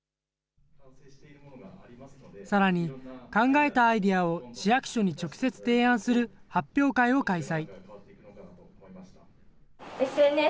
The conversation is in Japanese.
さらに、考えたアイデアを市役所に直接提案する発表会を開催。